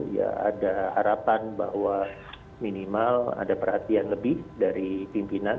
ya ada harapan bahwa minimal ada perhatian lebih dari pimpinan